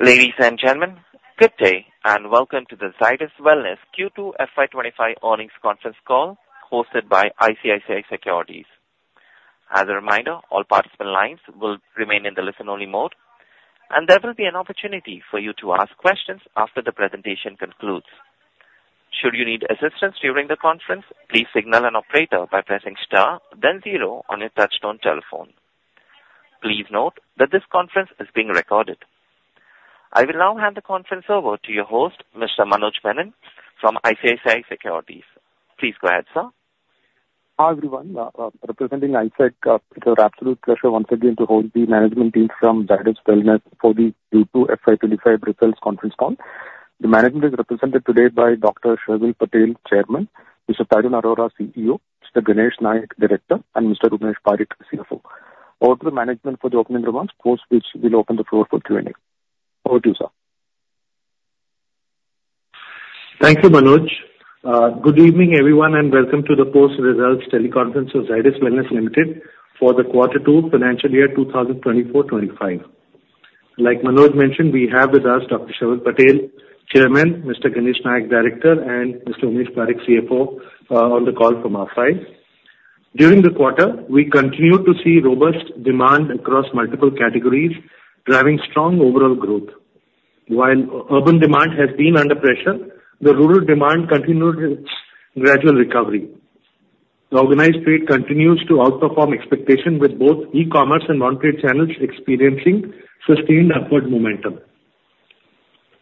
Ladies and gentlemen, good day and welcome to the Zydus Wellness Q2 FY25 earnings conference call hosted by ICICI Securities. As a reminder, all participant lines will remain in the listen-only mode, and there will be an opportunity for you to ask questions after the presentation concludes. Should you need assistance during the conference, please signal an operator by pressing star, then zero on your touch-tone telephone. Please note that this conference is being recorded. I will now hand the conference over to your host, Mr. Manoj Menon from ICICI Securities. Please go ahead, sir. Hi, everyone. Representing ICICI Securities, it's our absolute pleasure once again to host the management teams from Zydus Wellness for the Q2 FY25 results conference call. The management is represented today by Dr. Sharvil Patel, Chairman, Mr. Tarun Arora, CEO, Mr. Ganesh Nayak, Director, and Mr. Umesh Parikh, CFO. Over to the management for the opening remarks, post which we'll open the floor for Q&A. Over to you, sir. Thank you, Manoj. Good evening, everyone, and welcome to the post-results teleconference of Zydus Wellness Limited for the Quarter 2, Financial Year 2024-25. Like Manoj mentioned, we have with us Dr. Sharvil Patel, Chairman, Mr. Ganesh Nayak, Director, and Mr. Umesh Parikh, CFO, on the call from our side. During the quarter, we continue to see robust demand across multiple categories, driving strong overall growth. While urban demand has been under pressure, the rural demand continues its gradual recovery. The organized trade continues to outperform expectations, with both e-commerce and modern trade channels experiencing sustained upward momentum.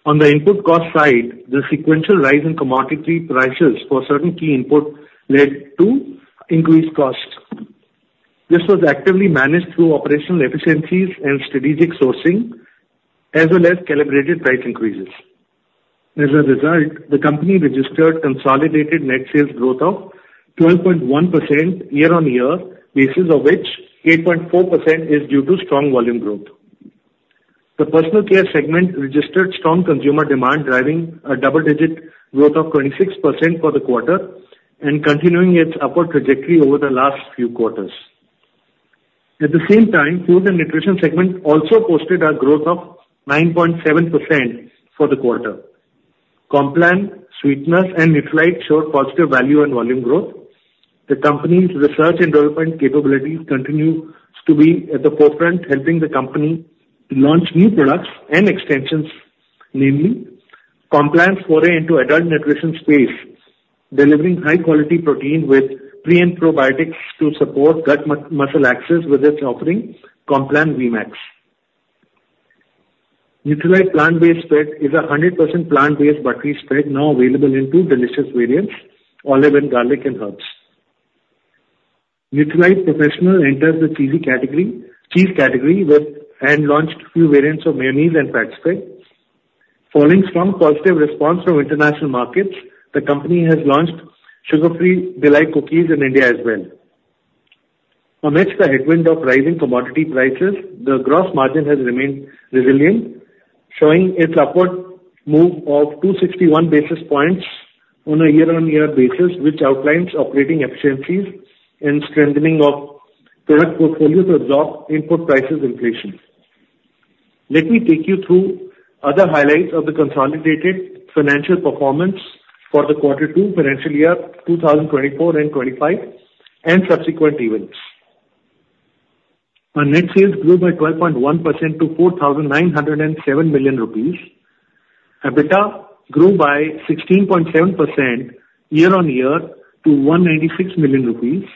On the input cost side, the sequential rise in commodity prices for certain key inputs led to increased costs. This was actively managed through operational efficiencies and strategic sourcing, as well as calibrated price increases. As a result, the company registered consolidated net sales growth of 12.1% year-on-year, the basis of which 8.4% is due to strong volume growth. The personal care segment registered strong consumer demand, driving a double-digit growth of 26% for the quarter and continuing its upward trajectory over the last few quarters. At the same time, food and nutrition segment also posted a growth of 9.7% for the quarter. Complan, Sugar Free, and Nutralite showed positive value and volume growth. The company's research and development capabilities continue to be at the forefront, helping the company launch new products and extensions, namely Complan's foray into the adult nutrition space, delivering high-quality protein with pre- and probiotics to support gut-muscle axis with its offering, Complan ViMax. Nutralite plant-based spread is a 100% plant-based buttery spread now available in two delicious variants: olive and garlic and herbs. Nutralite Professional enters the cheese category and launched a few variants of mayonnaise and fat spread. Following strong positive response from international markets, the company has launched Sugar Free D'lite cookies in India as well. Amidst the headwind of rising commodity prices, the gross margin has remained resilient, showing its upward move of 261 basis points on a year-on-year basis, which outlines operating efficiencies and strengthening of product portfolios to absorb input prices inflation. Let me take you through other highlights of the consolidated financial performance for the Quarter 2, Financial Year 2024 and 25, and subsequent events. Net sales grew by 12.1% to ₹4,907 million. EBITDA grew by 16.7% year-on-year to ₹196 million.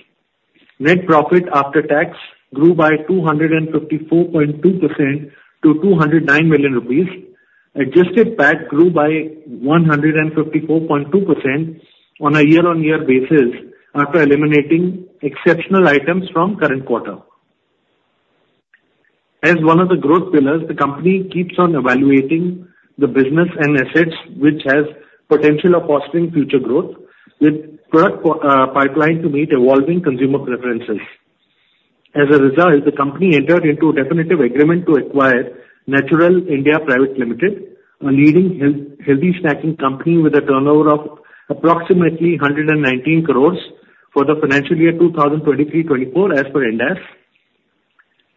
Net profit after tax grew by 254.2% to ₹209 million. Adjusted PAT grew by 154.2% on a year-on-year basis after eliminating exceptional items from current quarter. As one of the growth pillars, the company keeps on evaluating the business and assets, which has the potential of fostering future growth with the product pipeline to meet evolving consumer preferences. As a result, the company entered into a definitive agreement to acquire Naturell (India) Private Limited, a leading healthy snacking company with a turnover of approximately 119 crores for the financial year 2023-24, as per Ind AS.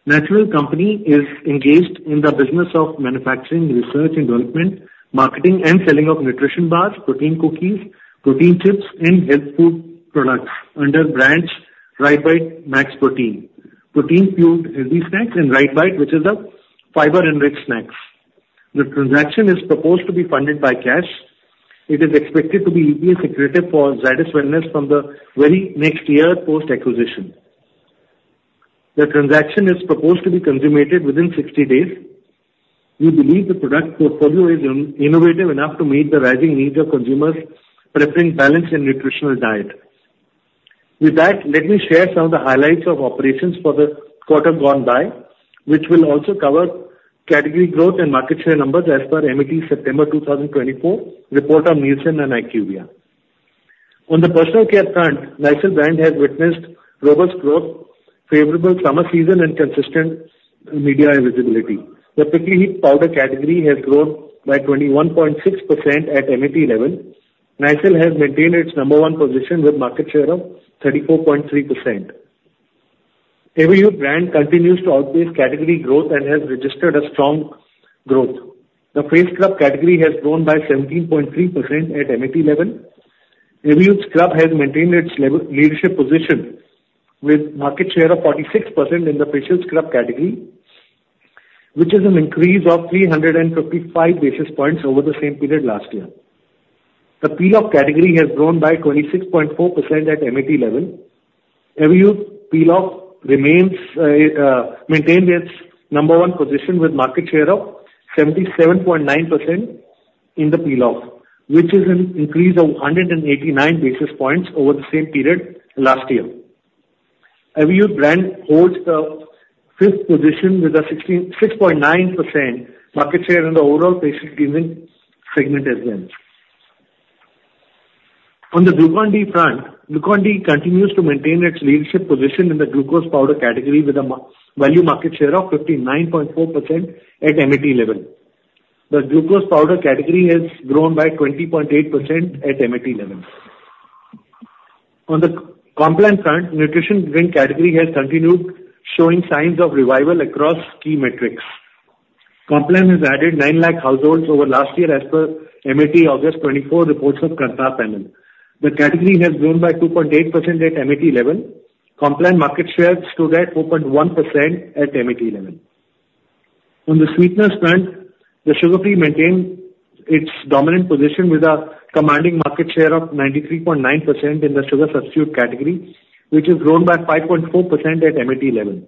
Naturell (India) Private Limited is engaged in the business of manufacturing, research and development, marketing, and selling of nutrition bars, protein cookies, protein chips, and health food products under brands RiteBite, Max Protein, Protein Pure Healthy Snacks, and RiteBite, which is a fiber-enriched snack. The transaction is proposed to be funded by cash. It is expected to be EPS accretive for Zydus Wellness from the very next year post-acquisition. The transaction is proposed to be consummated within 60 days. We believe the product portfolio is innovative enough to meet the rising needs of consumers preferring balanced and nutritional diet. With that, let me share some of the highlights of operations for the quarter gone by, which will also cover category growth and market share numbers as per MAT September 2024 report on Nielsen and IQVIA. On the personal care front, Nycil brand has witnessed robust growth, favorable summer season, and consistent media visibility. The prickly heat powder category has grown by 21.6% at MAT level. Nycil has maintained its number one position with a market share of 34.3%. Everyuth brand continues to outpace category growth and has registered a strong growth. The face scrub category has grown by 17.3% at MAT level. Everyuth scrub has maintained its leadership position with a market share of 46% in the facial scrub category, which is an increase of 355 basis points over the same period last year. The peel-off category has grown by 26.4% at MAT level. Everyuth peel-off maintains its number one position with a market share of 77.9% in the peel-off, which is an increase of 189 basis points over the same period last year. Everyuth brand holds the fifth position with a 6.9% market share in the overall facial cleansing segment as well. On the Glucon-D front, Glucon-D continues to maintain its leadership position in the glucose powder category with a value market share of 59.4% at MAT level. The glucose powder category has grown by 20.8% at MAT level. On the Complan front, nutrition drink category has continued showing signs of revival across key metrics. Complan has added 9 lakh households over last year as per MAT August 24 reports of Kantar panel. The category has grown by 2.8% at MAT level. Complan market share stood at 4.1% at MAT level. On the sweetness front, the Sugar Free maintained its dominant position with a commanding market share of 93.9% in the sugar substitute category, which has grown by 5.4% at MAT level.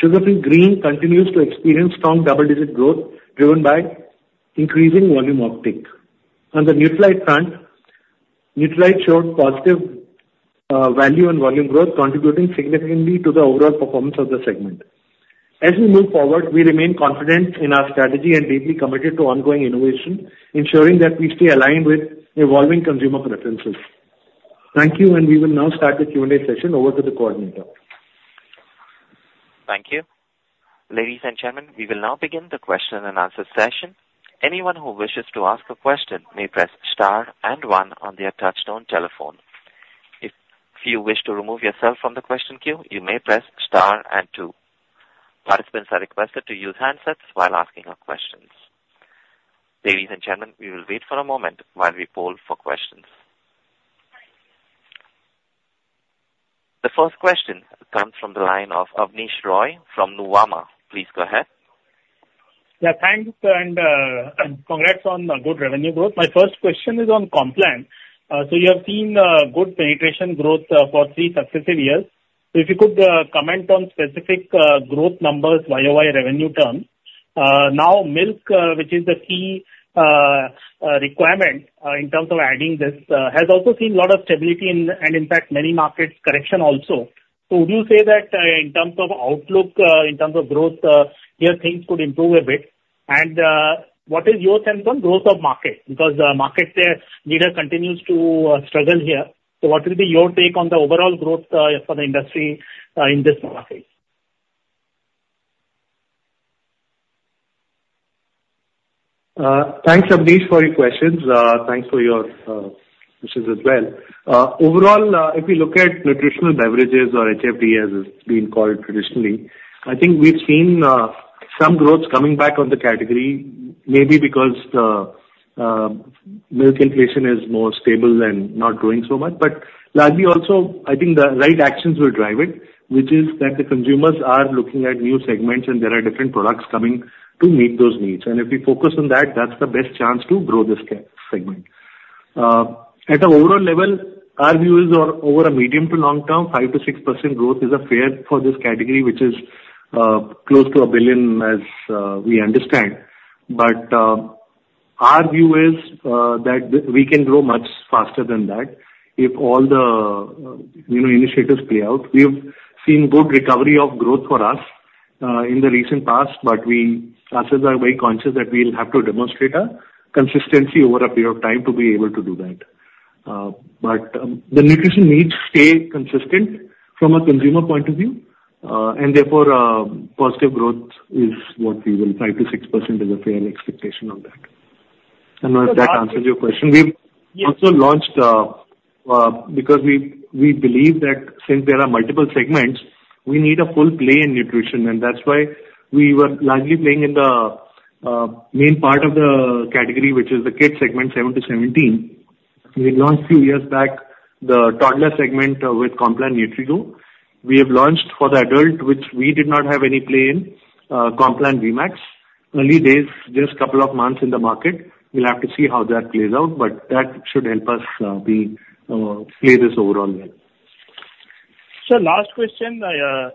Sugar Free Green continues to experience strong double-digit growth driven by increasing volume uptake. On the Nutralite front, Nutralite showed positive value and volume growth, contributing significantly to the overall performance of the segment. As we move forward, we remain confident in our strategy and deeply committed to ongoing innovation, ensuring that we stay aligned with evolving consumer preferences. Thank you, and we will now start the Q&A session. Over to the coordinator. Thank you. Ladies and gentlemen, we will now begin the question and answer session. Anyone who wishes to ask a question may press star and one on their touch-tone telephone. If you wish to remove yourself from the question queue, you may press star and two. Participants are requested to use handsets while asking questions. Ladies and gentlemen, we will wait for a moment while we poll for questions. The first question comes from the line of Abneesh Roy from Nuvama. Please go ahead. Yeah, thanks, and congrats on the good revenue growth. My first question is on Complan. So you have seen good penetration growth for three successive years. So if you could comment on specific growth numbers YOY revenue terms. Now, milk, which is the key requirement in terms of adding this, has also seen a lot of stability and, in fact, many markets' correction also. So would you say that in terms of outlook, in terms of growth, here things could improve a bit? And what is your sense on growth of market? Because market leaders continue to struggle here. So what would be your take on the overall growth for the industry in this market? Thanks, Avnish, for your questions. Thanks for your questions as well. Overall, if we look at nutritional beverages, or HFD as it's been called traditionally, I think we've seen some growth coming back on the category, maybe because the milk inflation is more stable and not growing so much. But largely also, I think the right actions will drive it, which is that the consumers are looking at new segments, and there are different products coming to meet those needs. And if we focus on that, that's the best chance to grow this segment. At an overall level, our view is over a medium to long term, 5%-6% growth is fair for this category, which is close to a billion, as we understand. But our view is that we can grow much faster than that if all the initiatives play out. We have seen good recovery of growth for us in the recent past, but we are very conscious that we'll have to demonstrate consistency over a period of time to be able to do that. But the nutrition needs stay consistent from a consumer point of view, and therefore positive growth is what we will. 5%-6% is a fair expectation on that. I don't know if that answers your question. We have also launched because we believe that since there are multiple segments, we need a full play in nutrition, and that's why we were largely playing in the main part of the category, which is the kid segment, 7-17. We launched a few years back the toddler segment with Complan NutriGro. We have launched for the adult, which we did not have any play in, Complan ViMax. Early days, just a couple of months in the market. We'll have to see how that plays out, but that should help us play this overall well. Last question.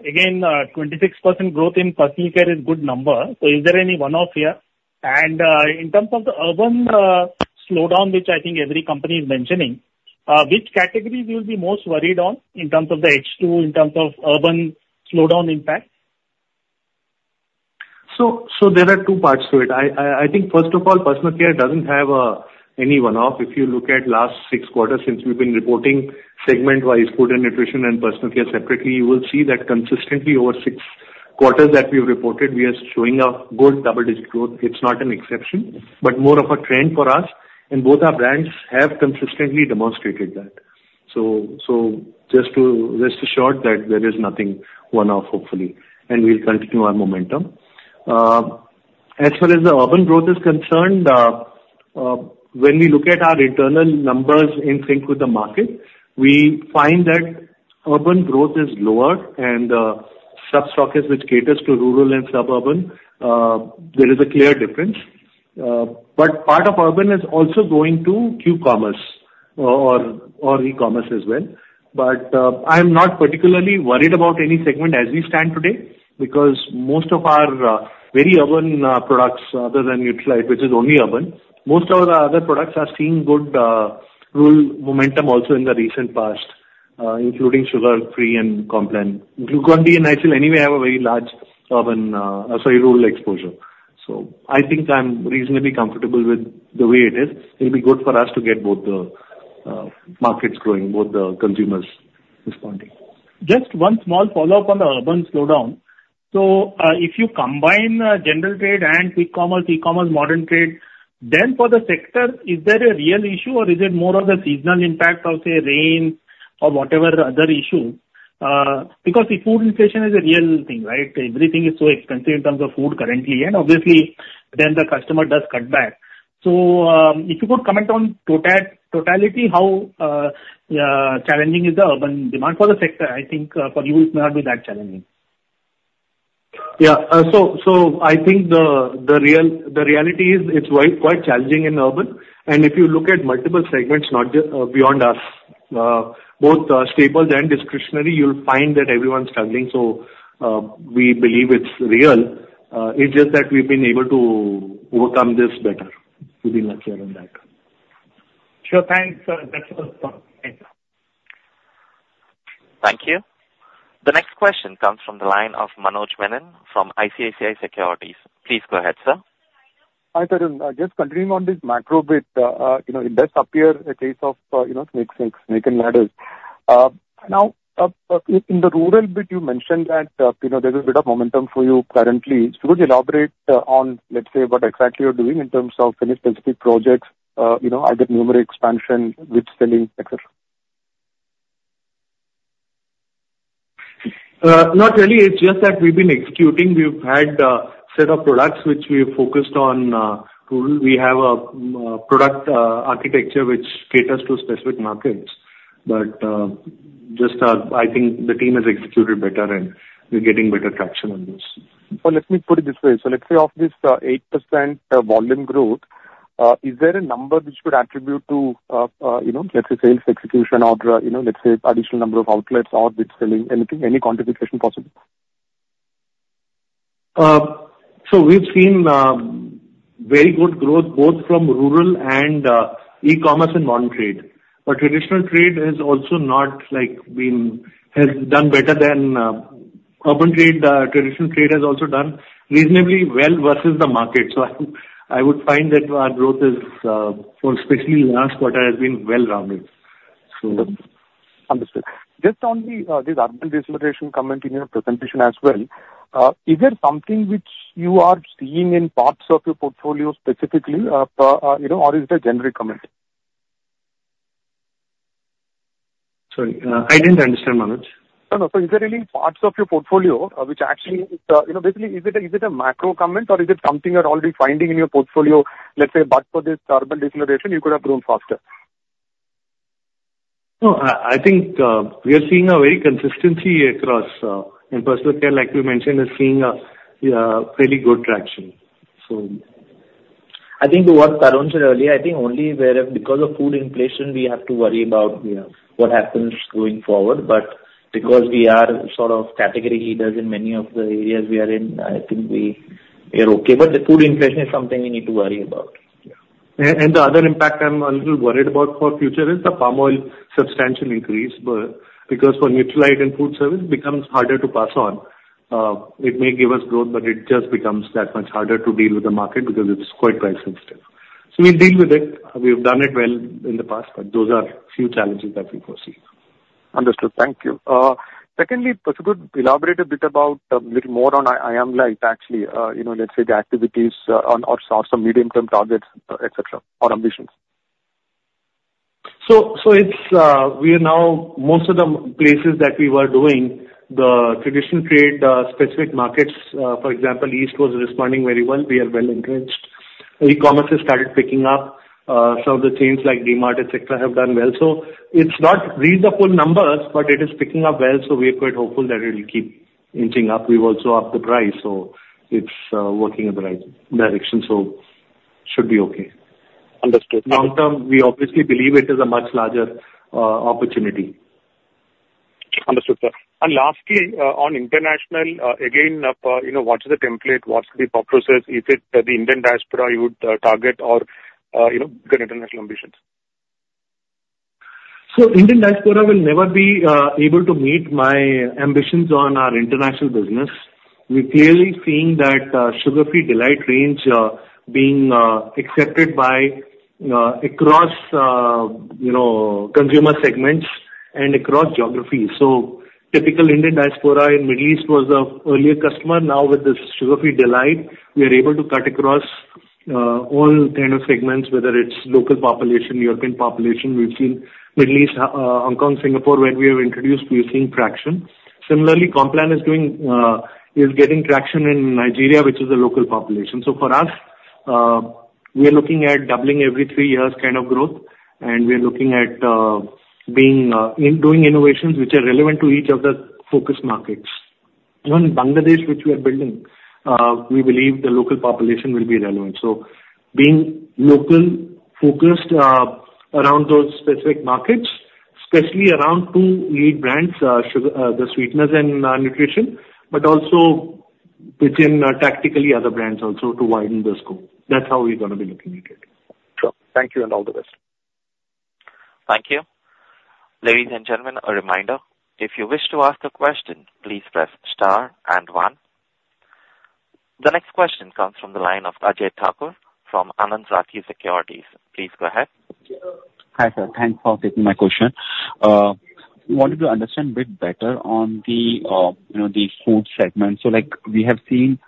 Again, 26% growth in personal care is a good number. Is there any one-off here? And in terms of the urban slowdown, which I think every company is mentioning, which category will be most worried on in terms of the H2, in terms of urban slowdown impact? So there are two parts to it. I think, first of all, personal care doesn't have any one-off. If you look at the last six quarters since we've been reporting segment-wise food and nutrition and personal care separately, you will see that consistently over six quarters that we've reported, we are showing a good double-digit growth. It's not an exception, but more of a trend for us, and both our brands have consistently demonstrated that. So just to rest assured that there is nothing one-off, hopefully, and we'll continue our momentum. As far as the urban growth is concerned, when we look at our internal numbers in sync with the market, we find that urban growth is lower, and the sub-segment which caters to rural and suburban. There is a clear difference. But part of urban is also going to Q-commerce or e-commerce as well. But I'm not particularly worried about any segment as we stand today because most of our very urban products, other than Nutralite, which is only urban, most of our other products are seeing good rural momentum also in the recent past, including Sugar Free and Complan. Glucon-D and Nycil, anyway, have a very large urban rural exposure. So I think I'm reasonably comfortable with the way it is. It'll be good for us to get both the markets growing, both the consumers responding. Just one small follow-up on the urban slowdown. So if you combine general trade and quick commerce, e-commerce, modern trade, then for the sector, is there a real issue, or is it more of a seasonal impact of, say, rain or whatever other issue? Because the food inflation is a real thing, right? Everything is so expensive in terms of food currently, and obviously, then the customer does cut back. So if you could comment on totality, how challenging is the urban demand for the sector? I think for you, it may not be that challenging. Yeah. So I think the reality is it's quite challenging in urban. And if you look at multiple segments beyond us, both staples and discretionary, you'll find that everyone's struggling. So we believe it's real. It's just that we've been able to overcome this better. We'll be not sure on that. Sure. Thanks. Thank you. Thank you. The next question comes from the line of Manoj Menon from ICICI Securities. Please go ahead, sir. Hi, Tarun. Just continuing on this macro bit, it does appear a case of snakes and ladders. Now, in the rural bit, you mentioned that there's a bit of momentum for you currently. So could you elaborate on, let's say, what exactly you're doing in terms of any specific projects, either new rural expansion, which is selling, etc.? Not really. It's just that we've been executing. We've had a set of products which we have focused on. We have a product architecture which caters to specific markets. But just I think the team has executed better, and we're getting better traction on this. Let me put it this way. So let's say of this 8% volume growth, is there a number which could attribute to, let's say, sales execution or, let's say, additional number of outlets or selling anything, any quantification possible? So we've seen very good growth both from rural and e-commerce and modern trade. But traditional trade has also not been done better than urban trade. Traditional trade has also done reasonably well versus the market. So I would find that our growth is, especially last quarter, has been well rounded. Understood. Just on the urban facilitation comment in your presentation as well, is there something which you are seeing in parts of your portfolio specifically, or is it a generic comment? Sorry, I didn't understand, Manoj. No, no. So is there any parts of your portfolio which actually is basically, is it a macro comment, or is it something you're already finding in your portfolio, let's say, but for this urban deceleration, you could have grown faster? No, I think we are seeing a very consistency across in personal care, like you mentioned, is seeing a fairly good traction. So I think what Tarun said earlier, I think only because of food inflation, we have to worry about what happens going forward. But because we are sort of category leaders in many of the areas we are in, I think we are okay. But the food inflation is something we need to worry about. And the other impact I'm a little worried about for future is the palm oil substantial increase because for Nutralite and food service, it becomes harder to pass on. It may give us growth, but it just becomes that much harder to deal with the market because it's quite price sensitive. So we deal with it. We've done it well in the past, but those are a few challenges that we foresee. Understood. Thank you. Secondly, could you elaborate a bit about a little more on IMLI, actually, let's say the activities or some medium-term targets, etc., or ambitions? So, we are now most of the places that we were doing the traditional trade specific markets, for example, East India was responding very well. We are well entrenched. E-commerce has started picking up. Some of the chains like D-Mart, etc., have done well. So, it's not unreasonable numbers, but it is picking up well. So, we are quite hopeful that it will keep inching up. We've also upped the price. So, it's working in the right direction. So, it should be okay. Understood. Long-term, we obviously believe it is a much larger opportunity. Understood, sir, and lastly, on international, again, what is the template? What's the process? Is it the Indian diaspora you would target or international ambitions? Indian diaspora will never be able to meet my ambitions on our international business. We're clearly seeing that Sugar Free D'lite range being accepted across consumer segments and across geographies. Typical Indian diaspora in the Middle East was an earlier customer. Now, with this Sugar Free D'lite, we are able to cut across all kinds of segments, whether it's local population, European population. We've seen Middle East, Hong Kong, Singapore, where we have introduced gaining traction. Similarly, Complan is getting traction in Nigeria, which is a local population. For us, we are looking at doubling every three years kind of growth, and we are looking at doing innovations which are relevant to each of the focus markets. Even Bangladesh, which we are building, we believe the local population will be relevant. So being local-focused around those specific markets, especially around two lead brands, the sweeteners and nutrition, but also tactically other brands also to widen the scope. That's how we're going to be looking at it. Sure. Thank you, and all the best. Thank you. Ladies and gentlemen, a reminder, if you wish to ask a question, please press star and one. The next question comes from the line of Ajay Thakur from Anand Rathi Securities. Please go ahead. Hi, sir. Thanks for taking my question. I wanted to understand a bit better on the food segment. So we have seen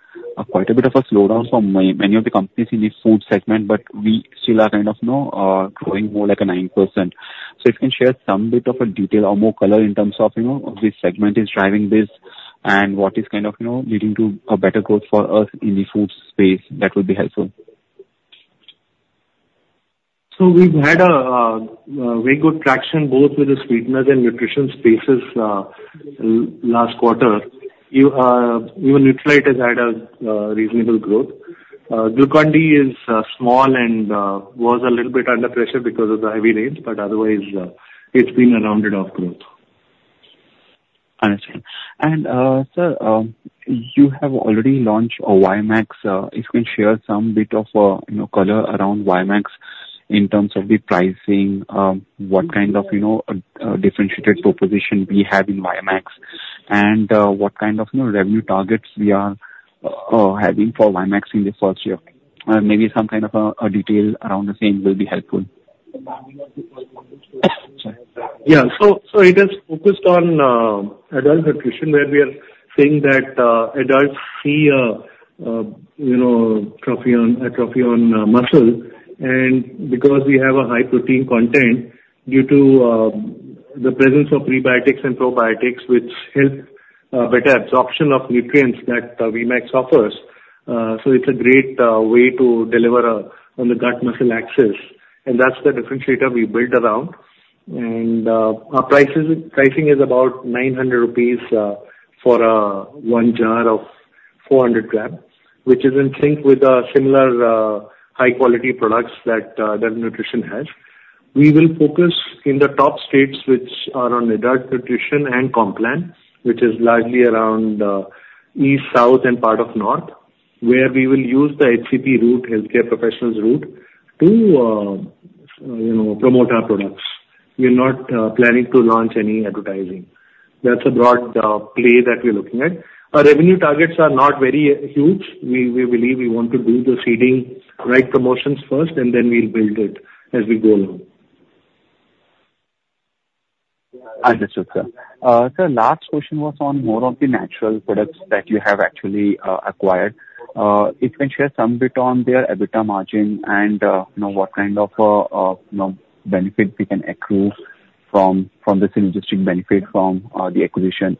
quite a bit of a slowdown for many of the companies in the food segment, but we still are kind of growing more like a 9%. So if you can share some bit of a detail or more color in terms of which segment is driving this and what is kind of leading to a better growth for us in the food space, that would be helpful. So we've had a very good traction both with the sweeteners and nutrition spaces last quarter. Even Nutralite has had a reasonable growth. Glucon-D is small and was a little bit under pressure because of the heavy rains, but otherwise, it's been a well-rounded growth. Understood. And sir, you have already launched a ViMax. If you can share some bit of color around ViMax in terms of the pricing, what kind of differentiated proposition we have in ViMax, and what kind of revenue targets we are having for ViMax in the first year. Maybe some kind of a detail around the same will be helpful. Yeah. So it is focused on adult nutrition, where we are saying that adults' sarcopenia on muscle. And because we have a high protein content due to the presence of prebiotics and probiotics, which help better absorption of nutrients that the ViMax offers. So it is a great way to deliver on the gut-muscle axis. And that is the differentiator we build around. And our pricing is about 900 rupees for one jar of 400 gram, which is in sync with similar high-quality products that the nutritionals have. We will focus in the top states which are on adult nutrition and Complan, which is largely around East, South, and part of North, where we will use the HCP route, healthcare professionals route, to promote our products. We are not planning to launch any advertising. That is a broad play that we are looking at. Our revenue targets are not very huge. We believe we want to do the seeding right promotions first, and then we'll build it as we go along. Understood, sir. Sir, last question was on more of the natural products that you have actually acquired. If you can share some bit on their EBITDA margin and what kind of benefit we can accrue from this logistics benefit from the acquisition.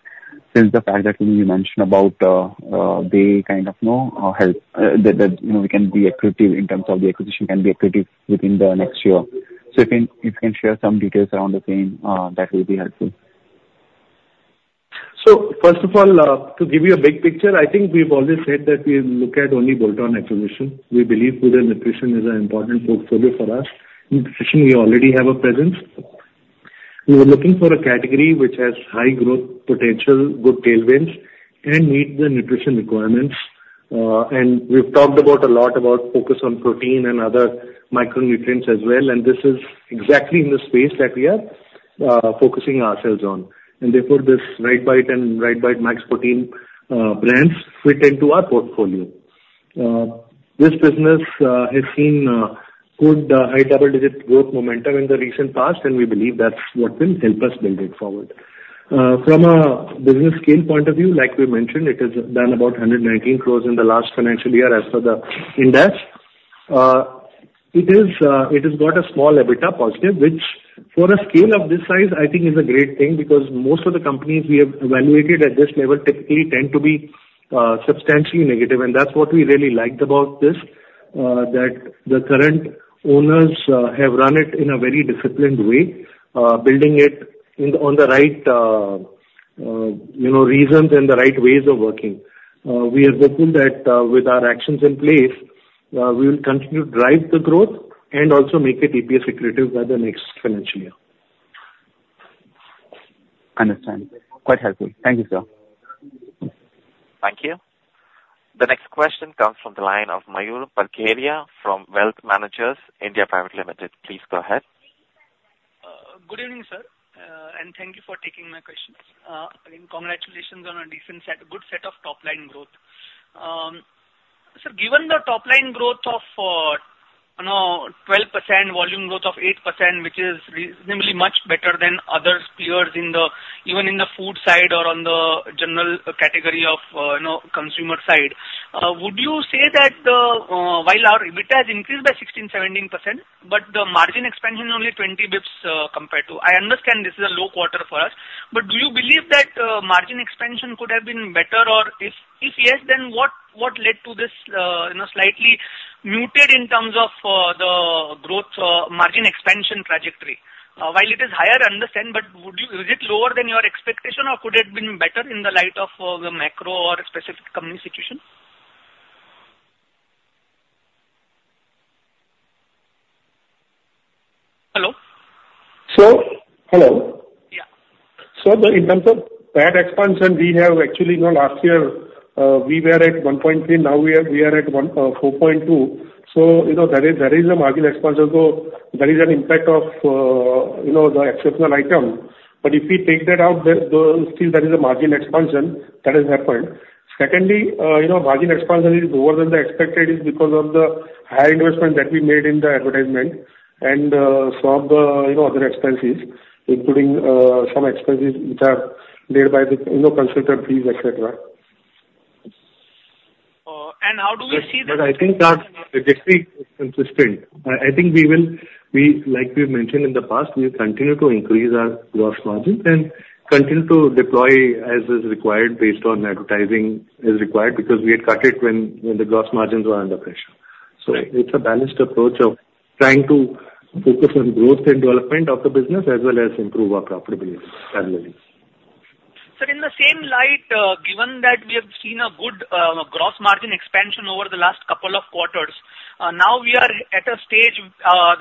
Since the fact that you mentioned about the kind of help that we can be accretive in terms of the acquisition can be accretive within the next year. So if you can share some details around the same, that will be helpful. First of all, to give you a big picture, I think we've always said that we look at only bolt-on acquisition. We believe food and nutrition is an important portfolio for us. Nutrition, we already have a presence. We were looking for a category which has high growth potential, good tailwinds, and meet the nutrition requirements. We've talked a lot about focus on protein and other micronutrients as well. This is exactly in the space that we are focusing ourselves on. Therefore, this RiteBite and RiteBite Max Protein brands fit into our portfolio. This business has seen good high double-digit growth momentum in the recent past, and we believe that's what will help us build it forward. From a business scale point of view, like we mentioned, it has done about 119 crores in the last financial year as per Ind AS. It has got a small EBITDA positive, which for a scale of this size, I think is a great thing because most of the companies we have evaluated at this level typically tend to be substantially negative, and that's what we really liked about this, that the current owners have run it in a very disciplined way, building it on the right reasons and the right ways of working. We are hopeful that with our actions in place, we will continue to drive the growth and also make it EPS accretive by the next financial year. Understand. Quite helpful. Thank you, sir. Thank you. The next question comes from the line of Mayur Parkeriya from Wealth Managers (India) Private Limited. Please go ahead. Good evening, sir, and thank you for taking my questions. Again, congratulations on a good set of top-line growth. Sir, given the top-line growth of 12%, volume growth of 8%, which is reasonably much better than other peers even in the food side or on the general category of consumer side, would you say that while our EBITDA has increased by 16%-17%, but the margin expansion only 20 basis points compared to? I understand this is a low quarter for us, but do you believe that margin expansion could have been better? Or if yes, then what led to this slightly muted in terms of the growth margin expansion trajectory? While it is higher, I understand, but is it lower than your expectation, or could it have been better in the light of the macro or specific company situation? Hello? Sir, hello. Yeah. Sir, in terms of that expansion, we actually last year were at 1.3. Now we are at 4.2. So there is a margin expansion. So there is an impact of the exceptional item. But if we take that out, still there is a margin expansion that has happened. Secondly, margin expansion is lower than the expected because of the high investment that we made in the advertisement and some of the other expenses, including some expenses which are made by the consultant fees, etc. How do we see the? I think our trajectory is consistent. I think we will, like we've mentioned in the past, we will continue to increase our gross margins and continue to deploy as is required based on advertising as required because we had cut it when the gross margins were under pressure. So it's a balanced approach of trying to focus on growth and development of the business as well as improve our profitability as well. Sir, in the same light, given that we have seen a good gross margin expansion over the last couple of quarters, now we are at a stage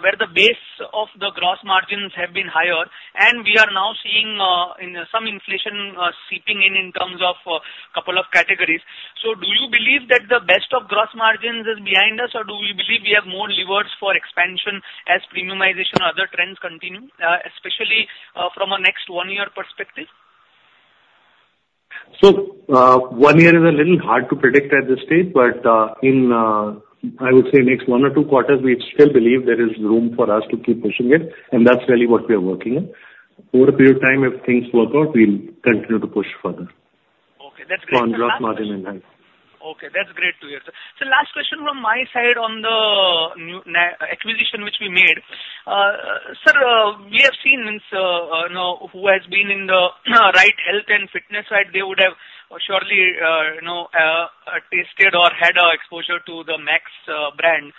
where the base of the gross margins have been higher, and we are now seeing some inflation seeping in in terms of a couple of categories. So do you believe that the best of gross margins is behind us, or do we believe we have more levers for expansion as premiumization and other trends continue, especially from a next one-year perspective? One year is a little hard to predict at this stage, but in, I would say, next one or two quarters, we still believe there is room for us to keep pushing it. That's really what we are working on. Over a period of time, if things work out, we'll continue to push further on gross margin and high. Okay. That's great to hear. Sir, last question from my side on the acquisition which we made. Sir, we have seen who has been in the right health and fitness side. They would have surely tasted or had exposure to the Max brand.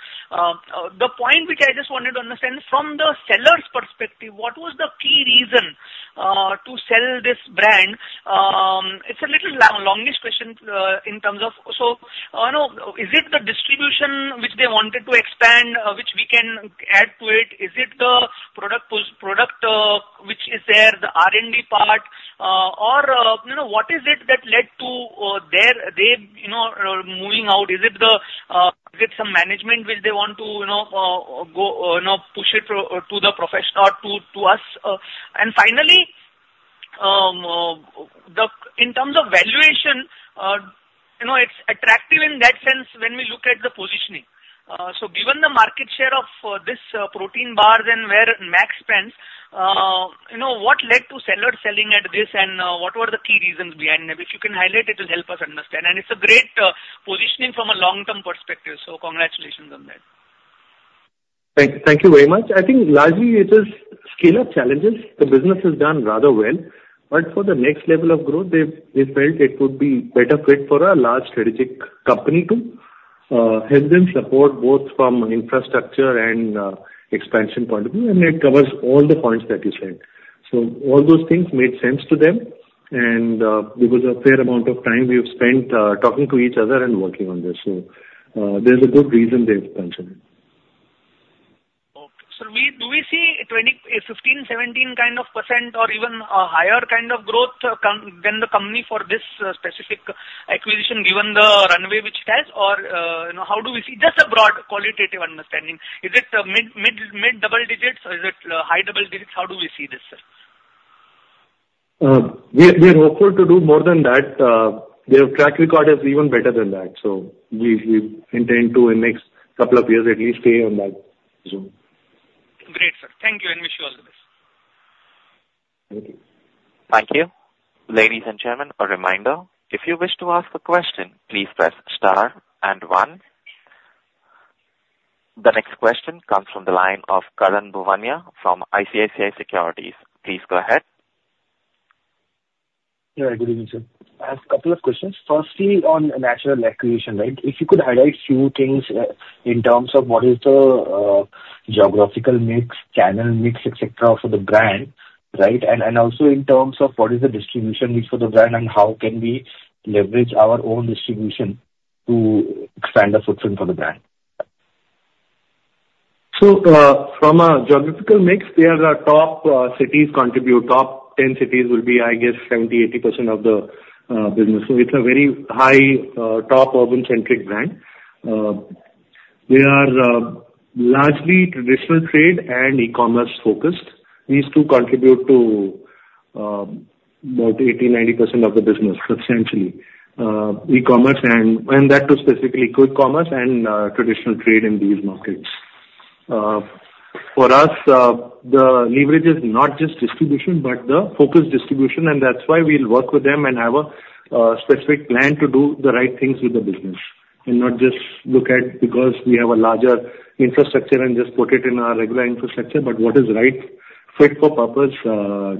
The point which I just wanted to understand, from the seller's perspective, what was the key reason to sell this brand? It's a little longish question in terms of, so is it the distribution which they wanted to expand, which we can add to it? Is it the product which is there, the R&D part, or what is it that led to their moving out? Is it some management which they want to push it to the professional or to us? And finally, in terms of valuation, it's attractive in that sense when we look at the positioning. So given the market share of this protein bar and where Max spends, what led to seller selling at this, and what were the key reasons behind them? If you can highlight, it will help us understand. And it's a great positioning from a long-term perspective. So congratulations on that. Thank you very much. I think largely it is scale-up challenges. The business has done rather well. But for the next level of growth, they felt it would be better fit for a large strategic company to help them support both from an infrastructure and expansion point of view. And it covers all the points that you said. So all those things made sense to them. And there was a fair amount of time we have spent talking to each other and working on this. So there's a good reason they've mentioned it. Sir, do we see 15%, 17% kind of percent or even a higher kind of growth than the company for this specific acquisition given the runway which it has? Or how do we see just a broad qualitative understanding? Is it mid double digits? Is it high double digits? How do we see this, sir? We are hopeful to do more than that. Their track record is even better than that. So we intend to, in the next couple of years, at least stay on that zoom. Great, sir. Thank you and wish you all the best. Thank you. Thank you. Ladies and gentlemen, a reminder. If you wish to ask a question, please press star and one. The next question comes from the line of Karan Bhuwania from ICICI Securities. Please go ahead. Yeah. Good evening, sir. I have a couple of questions. Firstly, on Naturell acquisition, right? If you could highlight a few things in terms of what is the geographical mix, channel mix, etc. for the brand, right? And also in terms of what is the distribution needs for the brand and how can we leverage our own distribution to expand the footprint for the brand? So from a geographical mix, they are the top cities contribute. Top 10 cities will be, I guess, 70%-80% of the business. So it's a very high top urban-centric brand. They are largely traditional trade and e-commerce focused. These two contribute to about 80%-90% of the business, substantially. E-commerce and that too specifically quick commerce and traditional trade in these markets. For us, the leverage is not just distribution, but the focused distribution. And that's why we'll work with them and have a specific plan to do the right things with the business and not just look at because we have a larger infrastructure and just put it in our regular infrastructure, but what is right, fit for purpose,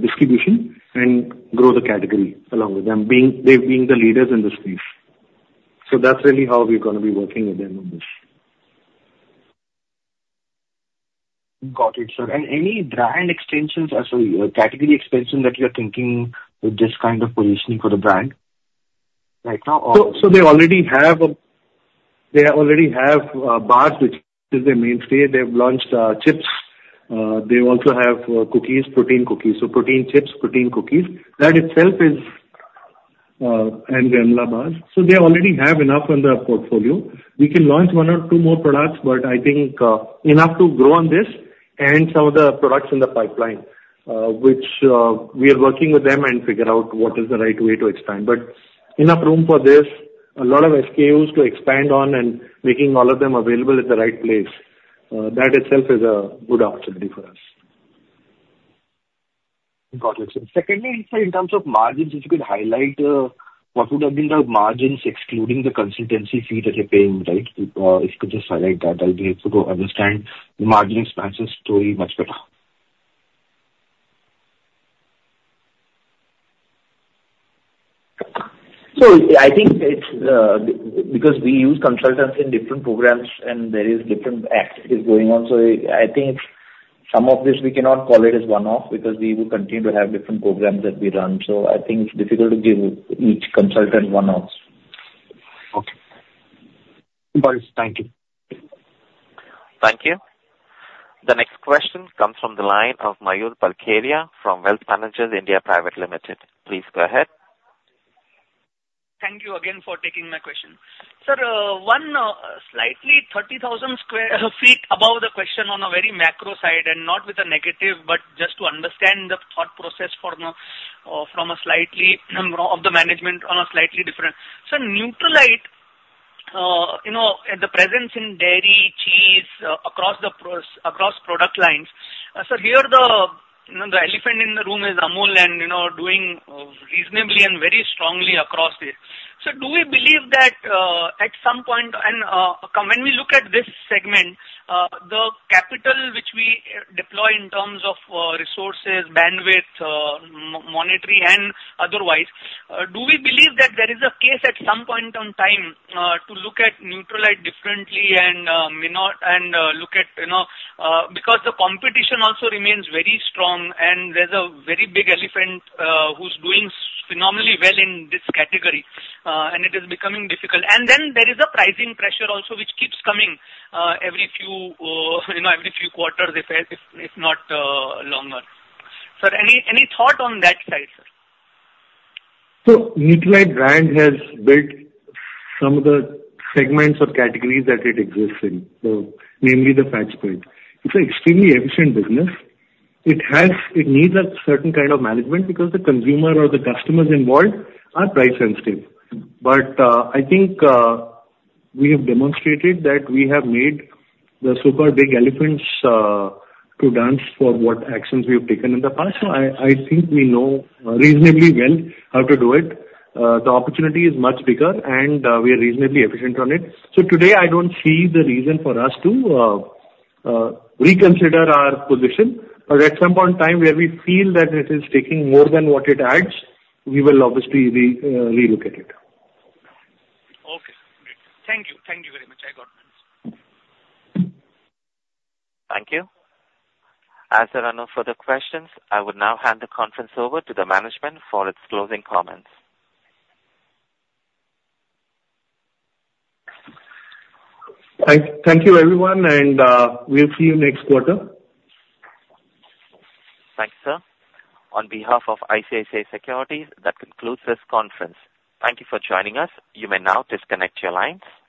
distribution, and grow the category along with them, they being the leaders in this space. So that's really how we're going to be working with them on this. Got it, sir. And any brand extensions, category extension that you're thinking with this kind of positioning for the brand right now? So they already have bars, which is their mainstay. They've launched chips. They also have cookies, protein cookies. So protein chips, protein cookies. That itself is, and granola bars. So they already have enough in the portfolio. We can launch one or two more products, but I think enough to grow on this and some of the products in the pipeline, which we are working with them and figure out what is the right way to expand. But enough room for this, a lot of SKUs to expand on and making all of them available at the right place. That itself is a good opportunity for us. Got it. And secondly, in terms of margins, if you could highlight what would have been the margins excluding the consultancy fee that they're paying, right? If you could just highlight that, I'll be able to understand the margin expansion story much better. So I think it's because we use consultants in different programs and there is different activities going on. So I think some of this, we cannot call it as one-off because we will continue to have different programs that we run. So I think it's difficult to give each consultant one-offs. Okay. Thank you. Thank you. The next question comes from the line of Mayur Parkariya from Wealth Managers (India) Private Limited. Please go ahead. Thank you again for taking my question. Sir, one slightly 30,000 feet above the question on a very macro side and not with a negative, but just to understand the thought process from a slightly of the management on a slightly different. Sir, Nutralite the presence in dairy, cheese across the product lines. Sir, here the elephant in the room is Amul and doing reasonably and very strongly across this. Sir, do we believe that at some point, and when we look at this segment, the capital which we deploy in terms of resources, bandwidth, monetary, and otherwise, do we believe that there is a case at some point in time to look at Nutralite differently and look at because the competition also remains very strong and there's a very big elephant who's doing phenomenally well in this category, and it is becoming difficult. Then there is a pricing pressure also which keeps coming every few quarters, if not longer. Sir, any thought on that side, sir? So Nutralite Brand has built some of the segments or categories that it exists in, namely the fat spread. It's an extremely efficient business. It needs a certain kind of management because the consumer or the customers involved are price sensitive. But I think we have demonstrated that we have made the so-called big elephants to dance for what actions we have taken in the past. So I think we know reasonably well how to do it. The opportunity is much bigger, and we are reasonably efficient on it. So today, I don't see the reason for us to reconsider our position. But at some point in time, where we feel that it is taking more than what it adds, we will obviously relook at it. Okay. Thank you. Thank you very much. I got my answer. Thank you. As there are no further questions, I will now hand the conference over to the management for its closing comments. Thank you, everyone. And we'll see you next quarter. Thank you, sir. On behalf of ICICI Securities, that concludes this conference. Thank you for joining us. You may now disconnect your lines.